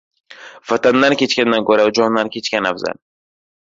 • Vatandan kechganda ko‘ra jondan kechgan afzal.